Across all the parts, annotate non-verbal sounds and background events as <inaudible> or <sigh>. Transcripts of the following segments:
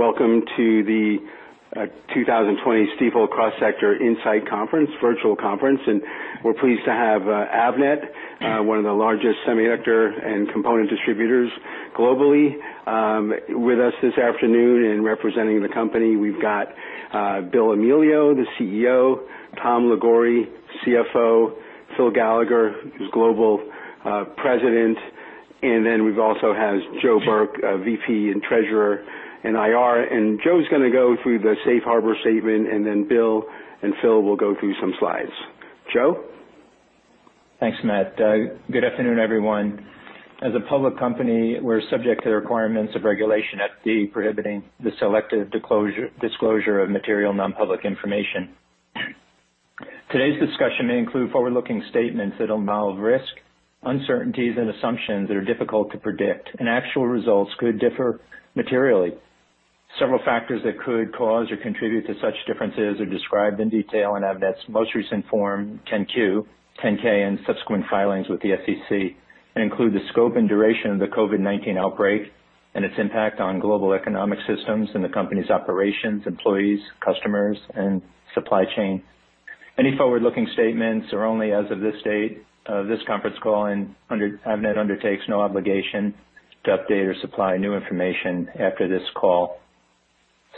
Welcome to the 2020 Stifel Cross Sector Insight Conference, virtual conference, and we're pleased to have Avnet, one of the largest semiconductor and component distributors globally, with us this afternoon. Representing the company, we've got Bill Amelio, the CEO, Tom Liguori, CFO, Phil Gallagher, who's Global President, and then we've also had Joe Burke, VP and Treasurer in IR. Joe's going to go through the safe harbor statement, and then Bill and Phil will go through some slides. Joe? Thanks, Matt. Good afternoon, everyone. As a public company, we're subject to the requirements of Regulation FD prohibiting the selective disclosure of material non-public information. Today's discussion may include forward-looking statements that involve risk, uncertainties, and assumptions that are difficult to predict, and actual results could differ materially. Several factors that could cause or contribute to such differences are described in detail in Avnet's most recent Form 10-Q, 10-K, and subsequent filings with the SEC, and include the scope and duration of the COVID-19 outbreak and its impact on global economic systems and the company's operations, employees, customers, and supply chain. Any forward-looking statements are only as of this date of this conference call, and Avnet undertakes no obligation to update or supply new information after this call.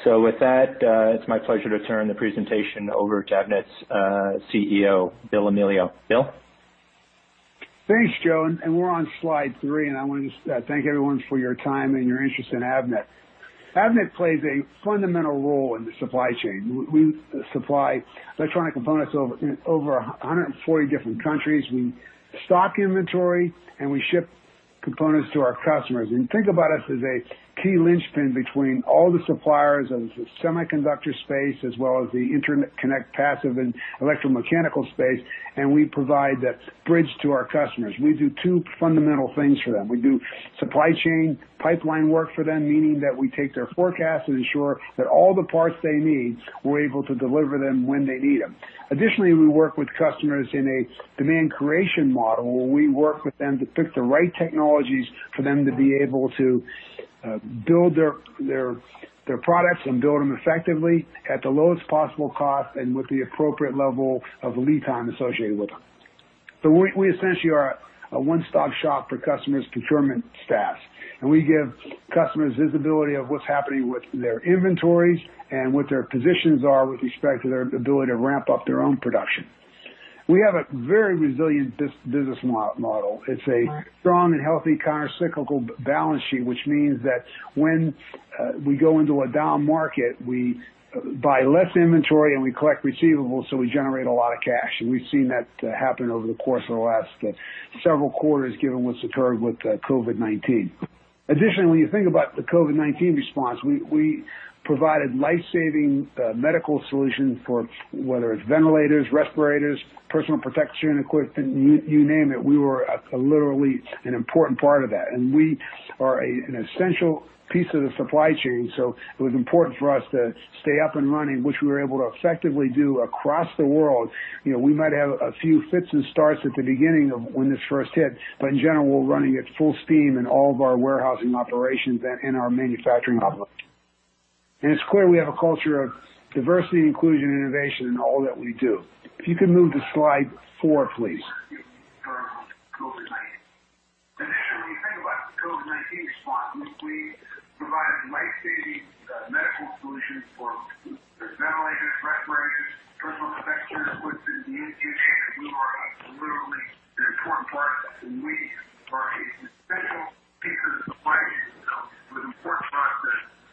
With that, it's my pleasure to turn the presentation over to Avnet's CEO, Bill Amelio. Bill? Thanks, Joe. We're on slide three. I want to thank everyone for your time and your interest in Avnet. Avnet plays a fundamental role in the supply chain. We supply electronic components over 140 different countries. We stock inventory, and we ship components to our customers. Think about us as a key linchpin between all the suppliers of the semiconductor space as well as the interconnect, passive, and electromechanical space, and we provide that bridge to our customers. We do two fundamental things for them. We do supply chain pipeline work for them, meaning that we take their forecast and ensure that all the parts they need, we're able to deliver them when they need them. Additionally, we work with customers in a demand creation model, where we work with them to pick the right technologies for them to be able to build their products and build them effectively at the lowest possible cost and with the appropriate level of lead time associated with them. We essentially are a one-stop shop for customers' procurement staff, and we give customers visibility of what's happening with their inventories and what their positions are with respect to their ability to ramp up their own production. We have a very resilient business model. It's a strong and healthy counter-cyclical balance sheet, which means that when we go into a down market, we buy less inventory, and we collect receivables, so we generate a lot of cash. We've seen that happen over the course of the last several quarters, given what's occurred with COVID-19. When you think about the COVID-19 response, we provided life-saving medical solutions, whether it's ventilators, respirators, personal protection equipment, you name it, we were literally an important part of that. We are an essential piece of the supply chain, so it was important for us to stay up and running, which we were able to effectively do across the world. We might have a few fits and starts at the beginning of when this first hit, in general, we're running at full steam in all of our warehousing operations and in our manufacturing hubs. It's clear we have a culture of diversity, inclusion, and innovation in all that we do. If you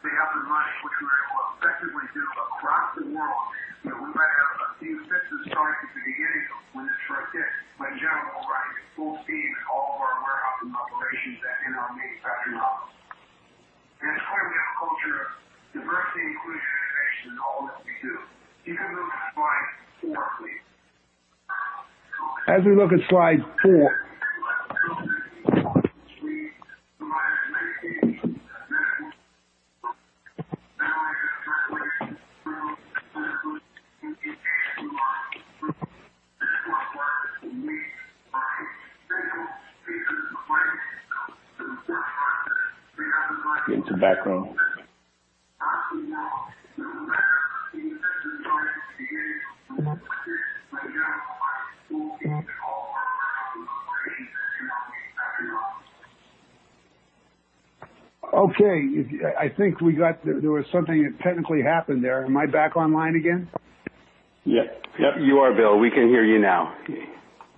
can move to slide four, please. As we look at slide four. <audio distortion> Got some background. <audio distortion> Okay. I think there was something that technically happened there. Am I back online again? Yep, you are, Bill. We can hear you now.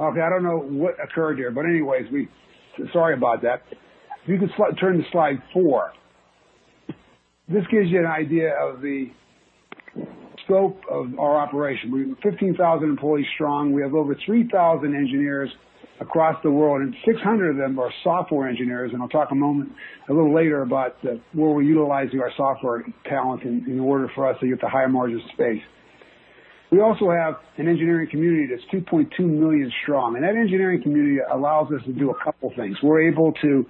Okay. I don't know what occurred here, anyways, sorry about that. If you could turn to slide four. This gives you an idea of the scope of our operation. We're 15,000 employees strong. We have over 3,000 engineers across the world. 600 of them are software engineers. I'll talk a little later about where we're utilizing our software talent in order for us to get the higher margin space. We also have an engineering community that's 2.2 million strong. That engineering community allows us to do a couple things. We're able to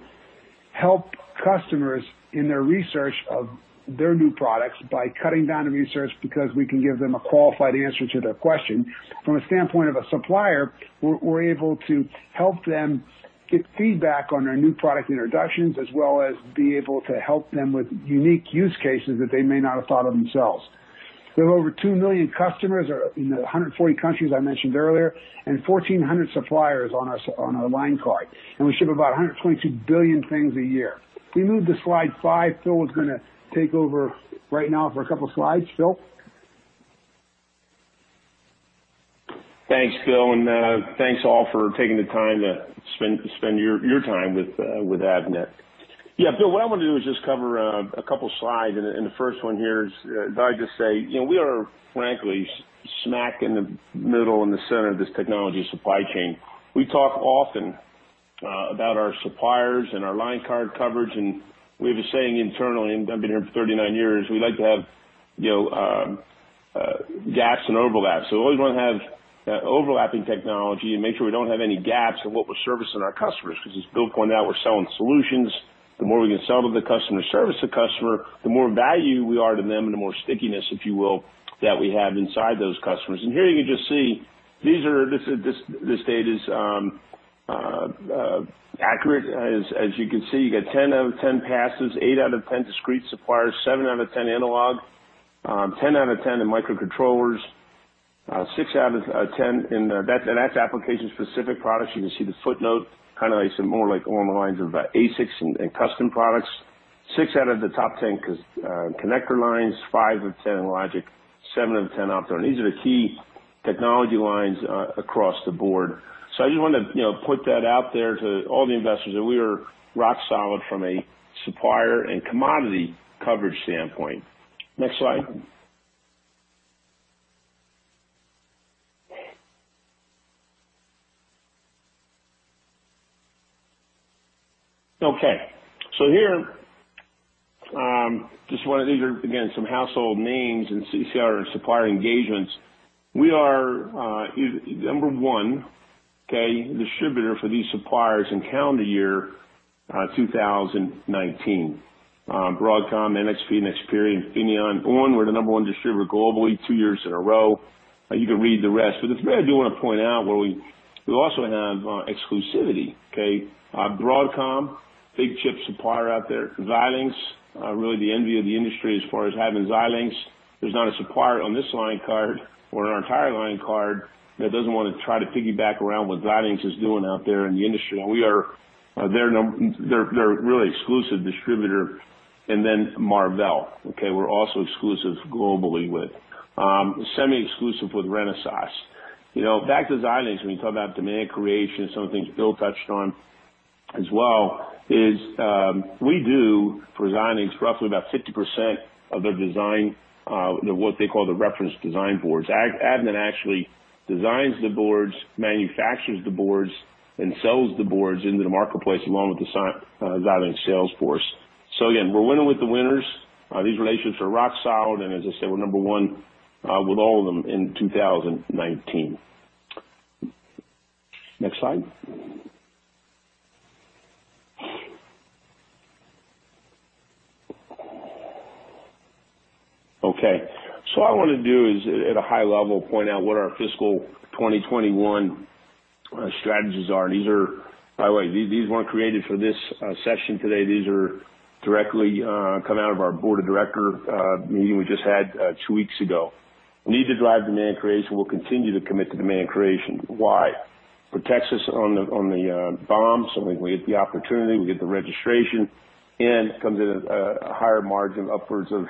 help customers in their research of their new products by cutting down the research, because we can give them a qualified answer to their question. From a standpoint of a supplier, we're able to help them get feedback on their new product introductions, as well as be able to help them with unique use cases that they may not have thought of themselves. We have over 2 million customers in the 140 countries I mentioned earlier, and 1,400 suppliers on our line card, and we ship about 122 billion things a year. If we move to slide five, Phil is going to take over right now for a couple of slides. Phil? Thanks, Bill, thanks all for taking the time to spend your time with Avnet. Yeah, Bill, what I want to do is just cover a couple slides, and the first one here is, I just say, we are frankly, smack in the middle, in the center of this technology supply chain. We talk often about our suppliers and our line card coverage, and we have a saying internally, and I've been here for 39 years, we like to have gaps and overlaps. We always want to have overlapping technology and make sure we don't have any gaps in what we're servicing our customers, because as Bill pointed out, we're selling solutions. The more we can sell to the customer, service the customer, the more value we are to them, the more stickiness, if you will, that we have inside those customers. Here you can just see, this data's accurate. As you can see, you got 10 out of 10 passives, eight out of 10 discrete suppliers, seven out of 10 analog, 10 out of 10 in microcontrollers, six out of 10 in that application-specific products. You can see the footnote, kind of more along the lines of ASICs and custom products. six out of the top 10 connector lines, five of 10 in logic, seven of 10 Opto. These are the key technology lines across the board. I just want to put that out there to all the investors, that we are rock solid from a supplier and commodity coverage standpoint. Next slide. Okay. Here, these are, again, some household names, and you see our supplier engagements. We are the number one, okay, distributor for these suppliers in calendar year 2019. Broadcom, NXP, Nexperia, and Infineon. We're the number one distributor globally two years in a row. You can read the rest. I do want to point out where we also have exclusivity. Broadcom, big chip supplier out there. Xilinx, really the envy of the industry as far as having Xilinx. There's not a supplier on this line card or on our entire line card that doesn't want to try to piggyback around what Xilinx is doing out there in the industry. We are their really exclusive distributor. Marvell, okay, we're also exclusive globally with. Semi-exclusive with Renesas. Back to Xilinx, when you talk about demand creation, something Bill touched on as well, is we do for Xilinx roughly about 50% of their design, what they call the reference design boards. Avnet actually designs the boards, manufactures the boards, and sells the boards into the marketplace along with the Xilinx sales force. Again, we're winning with the winners. These relationships are rock solid, and as I said, we're number one with all of them in 2019. Next slide. Okay. I want to do is, at a high level, point out what our fiscal 2021 strategies are. These weren't created for this session today. These directly come out of our Board of Director meeting we just had two weeks ago. We need to drive demand creation. We'll continue to commit to demand creation. Why? Protects us on the BOM, so we get the opportunity, we get the registration, and it comes at a higher margin upwards of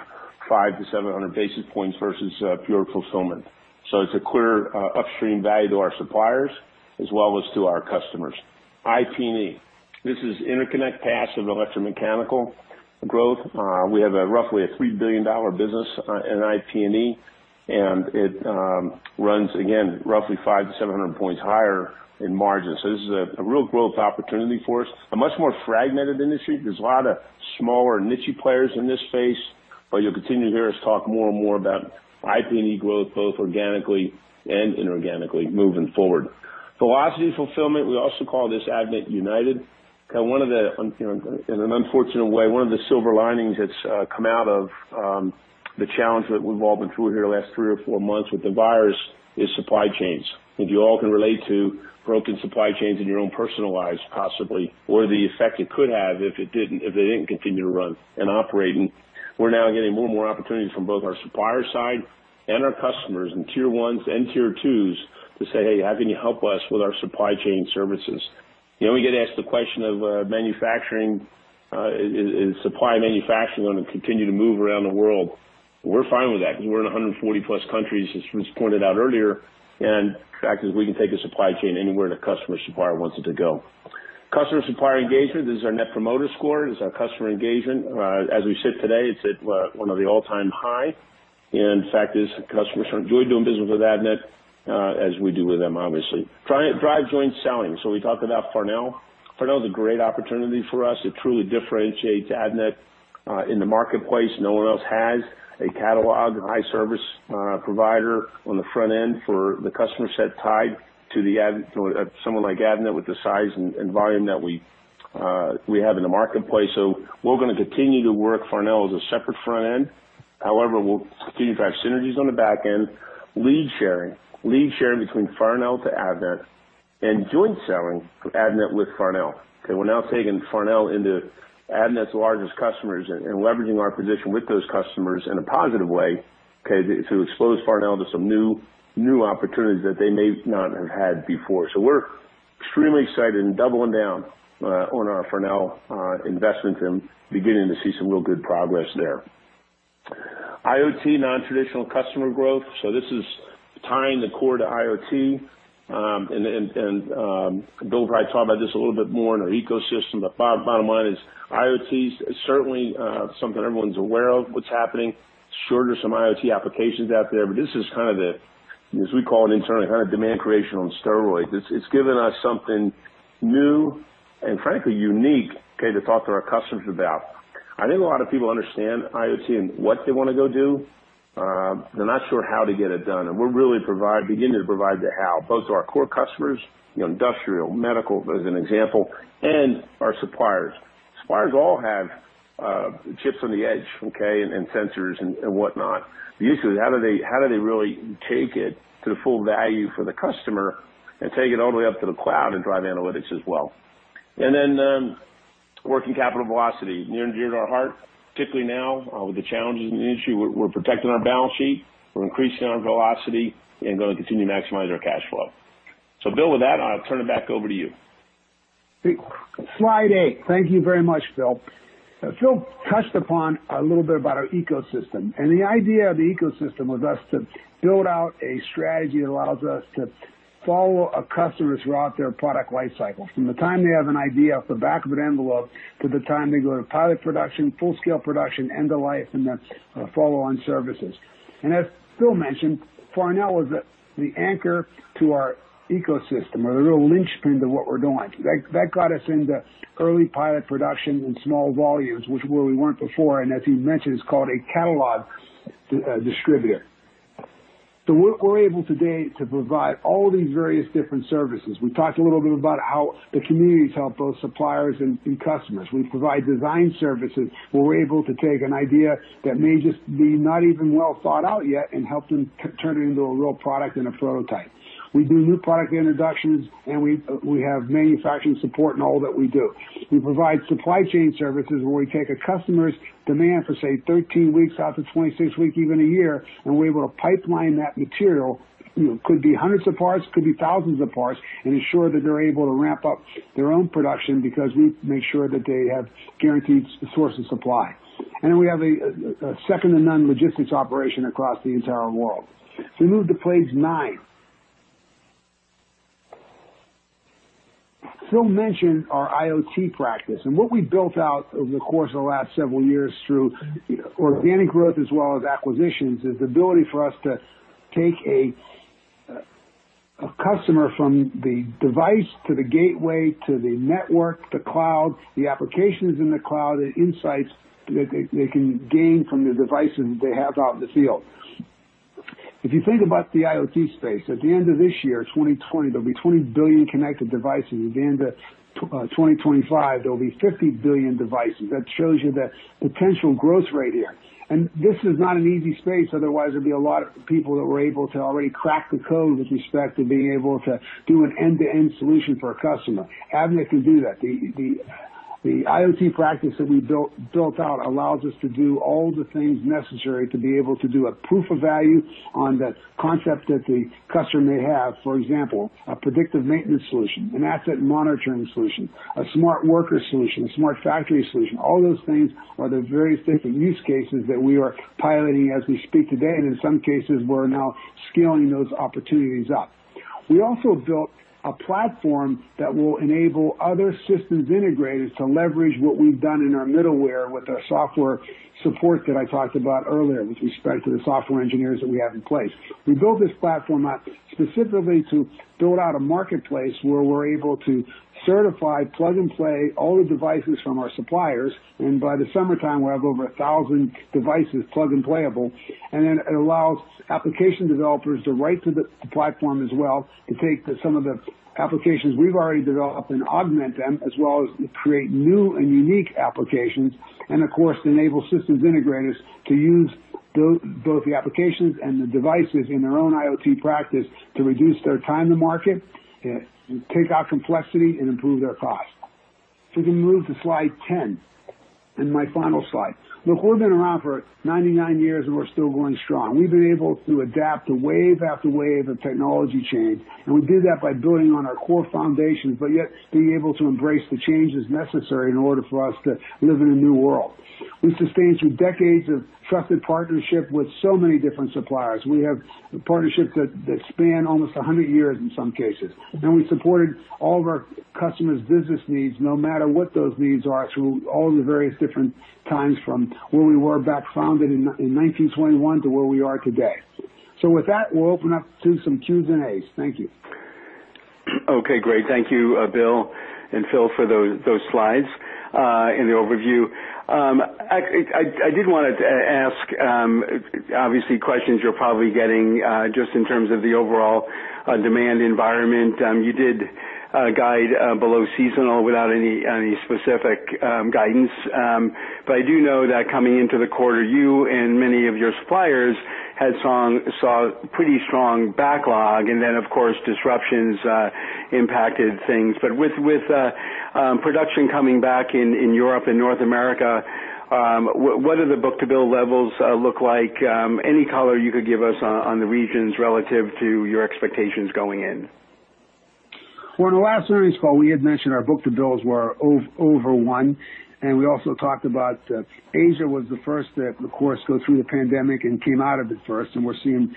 500 basis points-700 basis points versus pure fulfillment. It's a clear upstream value to our suppliers as well as to our customers. IP&E. This is Interconnect, Passive, Electromechanical growth. We have roughly a $3 billion business in IP&E, and it runs, again, roughly 500 basis points-700 basis points higher in margin. This is a real growth opportunity for us. A much more fragmented industry. There's a lot of smaller niche players in this space, but you'll continue to hear us talk more and more about IP&E growth, both organically and inorganically moving forward. Velocity fulfillment, we also call this Avnet United. In an unfortunate way, one of the silver linings that's come out of the challenge that we've all been through here the last three or four months with the virus is supply chains. You all can relate to broken supply chains in your own personal lives, possibly, or the effect it could have if they didn't continue to run and operate. We're now getting more and more opportunities from both our supplier side and our customers in Tier 1s and Tier 2s to say, "Hey, how can you help us with our supply chain services?" We get asked the question of manufacturing and supply manufacturing on a continue to move around the world. We're fine with that because we're in 140+ countries, as was pointed out earlier, The fact is we can take a supply chain anywhere the customer or supplier wants it to go. Customer supplier engagement. This is our Net Promoter Score. This is our customer engagement. As we sit today, it's at one of the all time high. The fact is, customers are enjoying doing business with Avnet as we do with them, obviously. Drive joint selling. We talked about Farnell. Farnell is a great opportunity for us. It truly differentiates Avnet in the marketplace. No one else has a catalog and high service provider on the front end for the customer set tied to someone like Avnet with the size and volume that we have in the marketplace. We're going to continue to work Farnell as a separate front end. However, we'll continue to drive synergies on the back end. Lead sharing. Lead sharing between Farnell to Avnet. Joint selling from Avnet with Farnell. We're now taking Farnell into Avnet's largest customers and leveraging our position with those customers in a positive way to expose Farnell to some new opportunities that they may not have had before. We're extremely excited and doubling down on our Farnell investment and beginning to see some real good progress there. IoT non-traditional customer growth. This is tying the core to IoT. Bill probably talked about this a little bit more in our ecosystem, but bottom line is IoT is certainly something everyone's aware of, what's happening. Sure, there's some IoT applications out there, but this is kind of the, as we call it internally, kind of demand creation on steroids. It's given us something new and frankly unique, okay, to talk to our customers about. I think a lot of people understand IoT and what they want to go do. They're not sure how to get it done, and we're really beginning to provide the how, both to our core customers, industrial, medical, as an example, and our suppliers. Suppliers all have chips on the edge, okay, and sensors and whatnot. Usually, how do they really take it to the full value for the customer and take it all the way up to the cloud and drive analytics as well? Then, working capital velocity, near and dear to our heart, particularly now with the challenges in the industry. We're protecting our balance sheet. We're increasing our velocity and going to continue to maximize our cash flow. Bill, with that, I'll turn it back over to you. Slide eight. Thank you very much, Phil. Phil touched upon a little bit about our ecosystem. The idea of the ecosystem was us to build out a strategy that allows us to follow a customer throughout their product life cycle, from the time they have an idea off the back of an envelope to the time they go to pilot production, full-scale production, end of life. Follow-on services. As Phil mentioned, Farnell was the anchor to our ecosystem or the real linchpin to what we're doing. That got us into early pilot production and small volumes, which is where we weren't before. As he mentioned, it's called a catalog distributor. We're able today to provide all these various different services. We talked a little bit about how the community has helped both suppliers and customers. We provide design services, where we're able to take an idea that may just be not even well thought out yet and help them turn it into a real product and a prototype. We do new product introductions, and we have manufacturing support in all that we do. We provide supply chain services where we take a customer's demand for, say, 13 weeks out to 26 weeks, even a year, and we're able to pipeline that material. Could be hundreds of parts, could be thousands of parts, and ensure that they're able to ramp up their own production because we make sure that they have guaranteed source and supply. We have a second-to-none logistics operation across the entire world. We move to page nine. Phil mentioned our IoT practice. What we built out over the course of the last several years through organic growth as well as acquisitions, is the ability for us to take a customer from the device to the gateway, to the network, to cloud, the applications in the cloud, the insights that they can gain from the devices they have out in the field. If you think about the IoT space, at the end of this year, 2020, there'll be 20 billion connected devices. At the end of 2025, there'll be 50 billion devices. That shows you the potential growth rate here. This is not an easy space, otherwise there'd be a lot of people that were able to already crack the code with respect to being able to do an end-to-end solution for a customer. Avnet can do that. The IoT practice that we built out allows us to do all the things necessary to be able to do a proof of value on the concept that the customer may have. For example, a predictive maintenance solution, an asset monitoring solution, a smart worker solution, a smart factory solution. All those things are the various different use cases that we are piloting as we speak today, and in some cases, we're now scaling those opportunities up. We also built a platform that will enable other systems integrators to leverage what we've done in our middleware with our software support that I talked about earlier, with respect to the software engineers that we have in place. We built this platform up specifically to build out a marketplace where we're able to certify plug and play all the devices from our suppliers. By the summertime, we'll have over 1,000 devices plug and playable. Then it allows application developers to write to the platform as well and take some of the applications we've already developed and augment them, as well as create new and unique applications. Of course, to enable systems integrators to use both the applications and the devices in their own IoT practice to reduce their time to market, take out complexity, and improve their cost. We can move to slide 10, and my final slide. Look, we've been around for 99 years, and we're still going strong. We've been able to adapt to wave after wave of technology change, and we did that by building on our core foundations, but yet being able to embrace the changes necessary in order for us to live in a new world. We sustained through decades of trusted partnership with so many different suppliers. We have partnerships that span almost 100 years in some cases, and we supported all of our customers' business needs no matter what those needs are through all the various different times from when we were back founded in 1921 to where we are today. With that, we'll open up to some Q&As. Thank you. Okay, great. Thank you, Bill and Phil, for those slides and the overview. I did want to ask, obviously questions you're probably getting, just in terms of the overall demand environment. Guide below seasonal without any specific guidance. I do know that coming into the quarter, you and many of your suppliers had saw pretty strong backlog, and then, of course, disruptions impacted things. With production coming back in Europe and North America, what do the book-to-bill levels look like? Any color you could give us on the regions relative to your expectations going in? Well, in the last earnings call, we had mentioned our book-to-bill were over one, and we also talked about Asia was the first to, of course, go through the pandemic and came out of it first, and we're seeing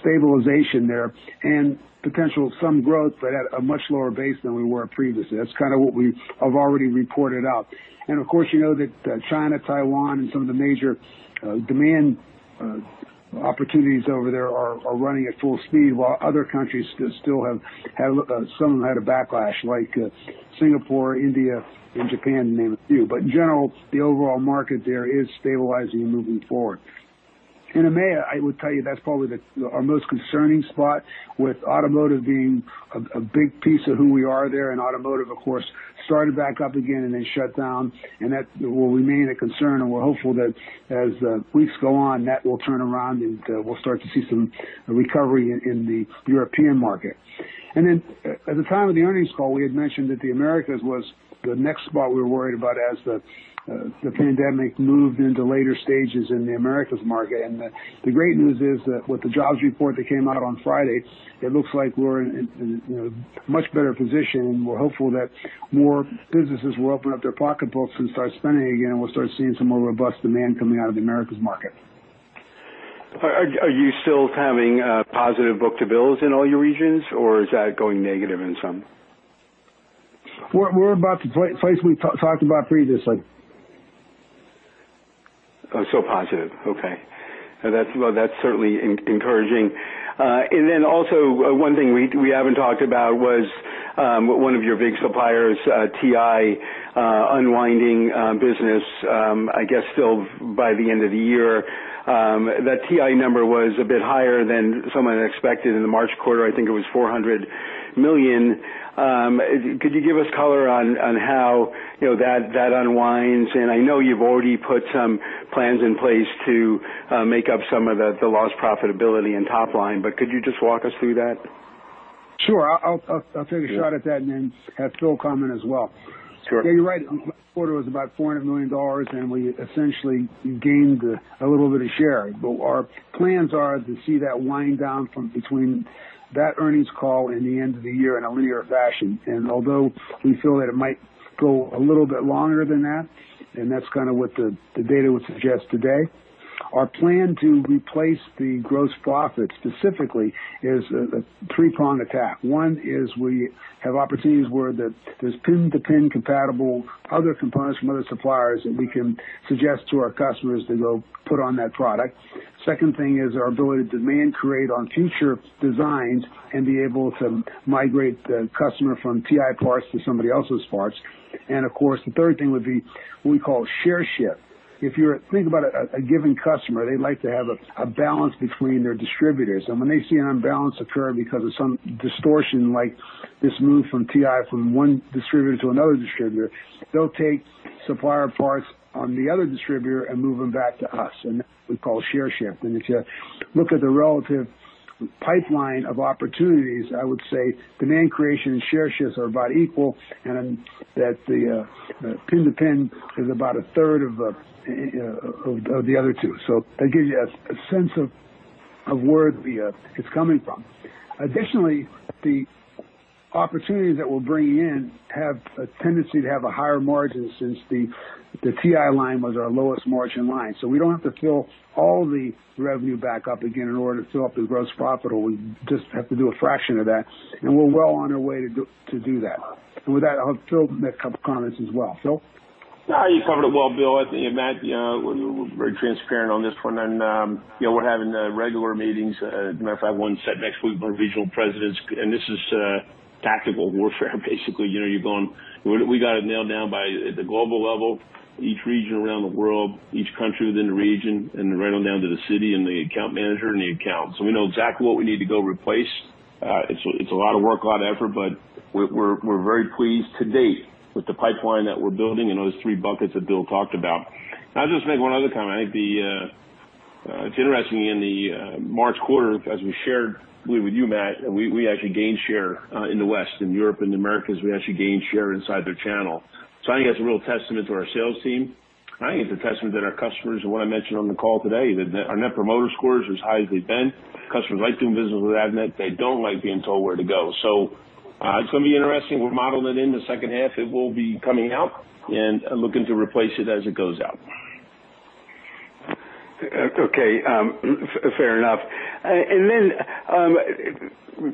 stabilization there and potential some growth, but at a much lower base than we were previously. That's kind of what we have already reported out. Of course, you know that China, Taiwan, and some of the major demand opportunities over there are running at full speed, while other countries still have some had a backlash, like Singapore, India, and Japan, to name a few. In general, the overall market there is stabilizing and moving forward. In EMEA, I would tell you that's probably our most concerning spot with automotive being a big piece of who we are there, and automotive, of course, started back up again and then shut down. That will remain a concern, and we're hopeful that as the weeks go on, that will turn around, and we'll start to see some recovery in the European market. At the time of the earnings call, we had mentioned that the Americas was the next spot we were worried about as the pandemic moved into later stages in the Americas market. The great news is that with the jobs report that came out on Friday, it looks like we're in a much better position, and we're hopeful that more businesses will open up their pocketbooks and start spending again. We'll start seeing some more robust demand coming out of the Americas market. Are you still having a positive book-to-bill in all your regions, or is that going negative in some? We're about the place we talked about previously. Positive. Okay. That's certainly encouraging. Also, one thing we haven't talked about was one of your big suppliers, TI, unwinding business, I guess still by the end of the year. That TI number was a bit higher than someone had expected in the March quarter. I think it was $400 million. Could you give us color on how that unwinds? I know you've already put some plans in place to make up some of the lost profitability and top line, but could you just walk us through that? Sure. I'll take a shot at that and then have Phil comment as well. Sure. Yeah, you're right. Last quarter was about $400 million, and we essentially gained a little bit of share. Our plans are to see that wind down from between that earnings call and the end of the year in a linear fashion. Although we feel that it might go a little bit longer than that, and that's kind of what the data would suggest today, our plan to replace the gross profit specifically is a three-pronged attack. One is we have opportunities where there's pin-to-pin compatible other components from other suppliers that we can suggest to our customers to go put on that product. Second thing is our ability to demand create on future designs and be able to migrate the customer from TI parts to somebody else's parts. Of course, the third thing would be what we call share shift. If you think about a given customer, they like to have a balance between their distributors. When they see an imbalance occur because of some distortion like this move from TI from one distributor to another distributor, they'll take supplier parts on the other distributor and move them back to us, and that's what we call share shift. If you look at the relative pipeline of opportunities, I would say demand creation and share shifts are about equal, and that the pin-to-pin is about 1/3 of the other two. That gives you a sense of where it's coming from. Additionally, the opportunities that we're bringing in have a tendency to have a higher margin since the TI line was our lowest margin line. We don't have to fill all the revenue back up again in order to fill up the gross profit. We just have to do a fraction of that, and we're well on our way to do that. With that, I'll have Phil make a couple comments as well. Phil? No, you covered it well, Bill. I think, Matt, we're very transparent on this one. We're having regular meetings. As a matter of fact, one set next week by regional presidents. This is tactical warfare, basically. We got it nailed down by the global level, each region around the world, each country within the region. Then right on down to the city and the account manager and the account. We know exactly what we need to go replace. It's a lot of work, a lot of effort. We're very pleased to date with the pipeline that we're building and those three buckets that Bill talked about. I'll just make one other comment. I think it's interesting, in the March quarter, as we shared with you, Matt, we actually gained share in the West. In Europe and the Americas, we actually gained share inside their channel. I think that's a real testament to our sales team. I think it's a testament to our customers and what I mentioned on the call today, that our Net Promoter Scores was highly bent. Customers like doing business with Avnet. They don't like being told where to go. It's going to be interesting. We'll model it in the second half. It will be coming out, and looking to replace it as it goes out. Okay. Fair enough.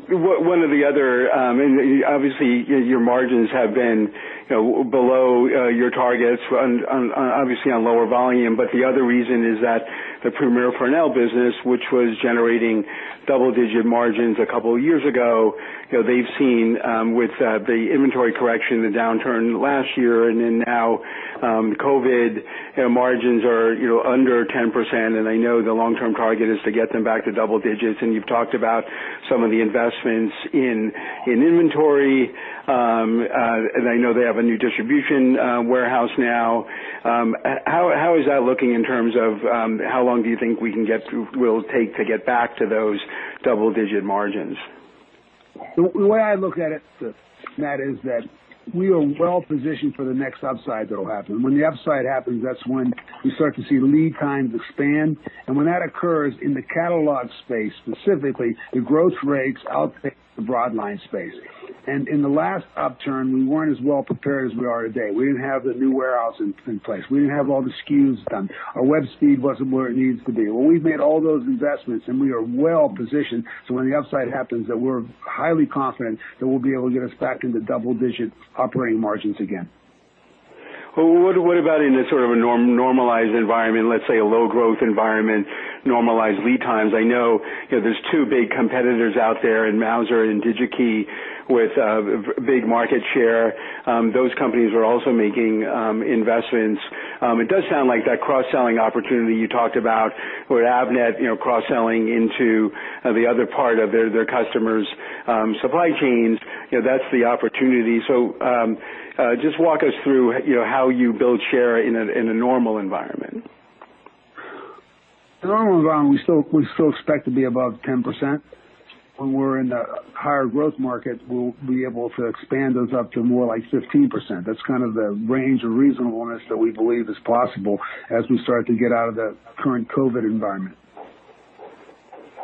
One of the other, and obviously, your margins have been below your targets, obviously on lower volume. The other reason is that the Premier Farnell business, which was generating double-digit margins a couple of years ago, they've seen with the inventory correction, the downturn last year, and now COVID, margins are under 10%, and I know the long-term target is to get them back to double digits. You've talked about some of the investments in inventory, and I know they have a new distribution warehouse now. How is that looking in terms of how long do you think will take to get back to those double-digit margins? The way I look at it, Matt, is that we are well-positioned for the next upside that'll happen. When the upside happens, that's when we start to see lead times expand, and when that occurs in the catalog space, specifically, the growth rates outpace the broad line space. In the last upturn, we weren't as well prepared as we are today. We didn't have the new warehouse in place. We didn't have all the SKUs done. Our web speed wasn't where it needs to be. Well, we've made all those investments, and we are well-positioned, so when the upside happens, that we're highly confident that we'll be able to get us back into double-digit operating margins again. Well, what about in a sort of a normalized environment, let's say a low growth environment, normalized lead times? I know there's two big competitors out there in Mouser and Digi-Key with big market share. Those companies are also making investments. It does sound like that cross-selling opportunity you talked about with Avnet, cross-selling into the other part of their customers' supply chains, that's the opportunity. Just walk us through how you build share in a normal environment. In a normal environment, we still expect to be above 10%. When we're in a higher growth market, we'll be able to expand those up to more like 15%. That's kind of the range of reasonableness that we believe is possible as we start to get out of the current COVID environment.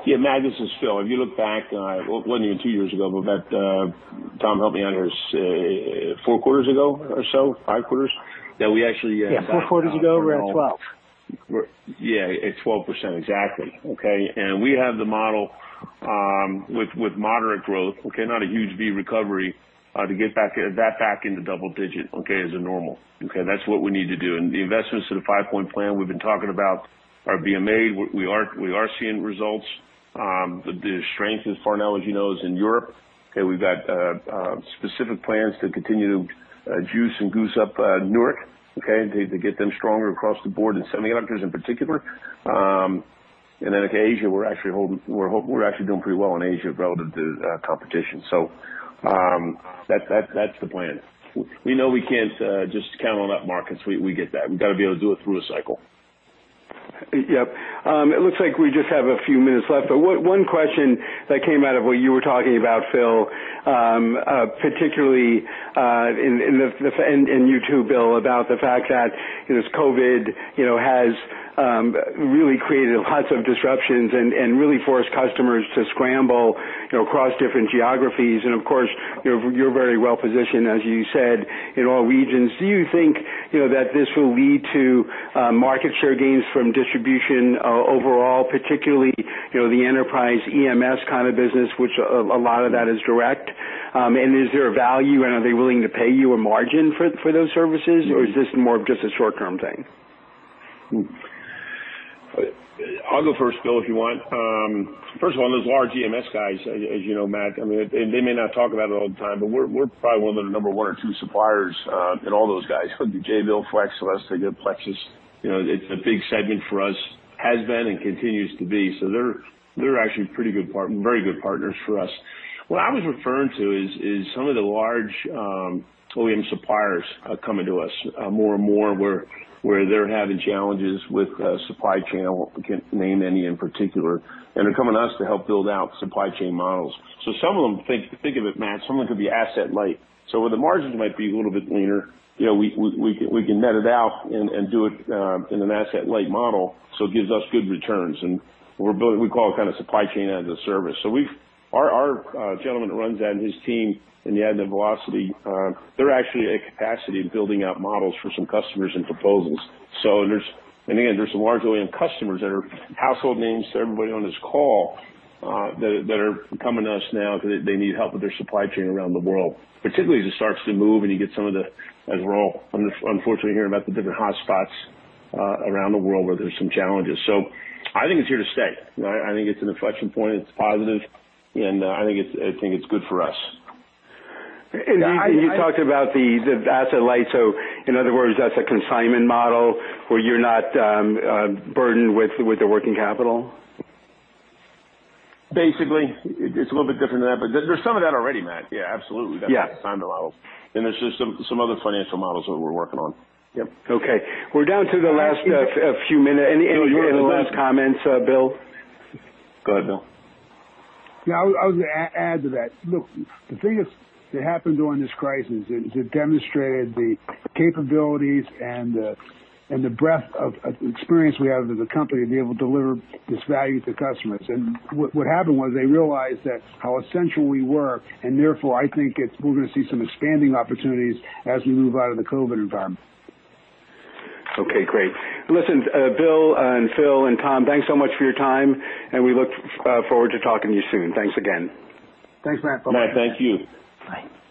Yeah, Matt, this is Phil. If you look back, it wasn't even two years ago. Tom help me out here, say four quarters ago or so, five quarters. Yeah, four quarters ago, we were at 12%. Yeah, at 12%, exactly. Okay. We have the model with moderate growth, okay, not a huge V recovery, to get back into double-digit as a normal. That's what we need to do. The investments to the five-point plan we've been talking about, EMEA, we are seeing results. The strength, as Farnell as you knows, in Europe. We've got specific plans to continue to juice and goose up Newark to get them stronger across the board in semiconductors in particular. Asia, we're actually doing pretty well in Asia relative to competition. That's the plan. We know we can't just count on up markets. We get that. We've got to be able to do it through a cycle. Yep. It looks like we just have a few minutes left, but one question that came out of what you were talking about, Phil, particularly, and you too, Bill, about the fact that COVID-19 has really created lots of disruptions and really forced customers to scramble across different geographies. Of course, you're very well-positioned, as you said, in all regions. Do you think that this will lead to market share gains from distribution overall, particularly, the enterprise EMS kind of business, which a lot of that is direct? Is there a value, and are they willing to pay you a margin for those services, or is this more of just a short-term thing? I'll go first, Bill, if you want. First of all, those large EMS guys, as you know, Matt, they may not talk about it all the time, but we're probably one of the number one or two suppliers in all those guys, could be Jabil, Flex, Celestica, Plexus. It's a big segment for us, has been and continues to be. They're actually very good partners for us. What I was referring to is some of the large OEM suppliers coming to us more and more, where they're having challenges with supply chain, I can't name any in particular, and they're coming to us to help build out supply chain models. Some of them, think of it, Matt, some of them could be asset light. Where the margins might be a little bit leaner, we can net it out and do it in an asset light model, it gives us good returns, and we call it supply chain as a service. Our gentleman who runs that and his team in the Avnet Velocity, they're actually at capacity building out models for some customers and proposals. Again, there's some large OEM customers that are household names to everybody on this call, that are coming to us now because they need help with their supply chain around the world, particularly as it starts to move and you get some of the, as we're all unfortunately hearing about the different hotspots around the world where there's some challenges. I think it's here to stay. I think it's an inflection point, it's positive, and I think it's good for us. You talked about the asset light, in other words, that's a consignment model where you're not burdened with the working capital? Basically. It's a little bit different than that, but there's some of that already, Matt. Yeah, absolutely. Yeah. That's consignment models. There's just some other financial models that we're working on. Yep. Okay. We're down to the last few minutes. Any last comments, Bill? Go ahead, Bill. Yeah, I was going to add to that. Look, the thing is, that happened during this crisis is it demonstrated the capabilities and the breadth of experience we have as a company to be able to deliver this value to customers. What happened was they realized that how essential we were, and therefore, I think we're going to see some expanding opportunities as we move out of the COVID environment. Okay, great. Listen, Bill and Phil and Tom, thanks so much for your time, and we look forward to talking to you soon. Thanks again. Thanks, Matt. Matt, thank you. Bye.